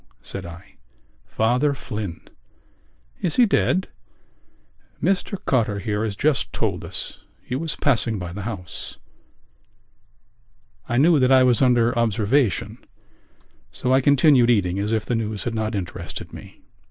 said I. "Father Flynn." "Is he dead?" "Mr Cotter here has just told us. He was passing by the house." I knew that I was under observation so I continued eating as if the news had not interested me.